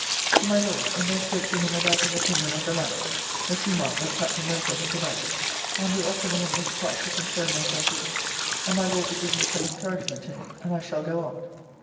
To my Lord and there spoke to him about his opinion of the Light, the sea mark that Captain Murford is about, and do offer me an eighth part to concern myself with it, and my Lord do give me some encouragement in it, and I shall go on.